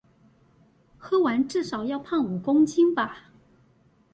喝完至少要胖五公斤吧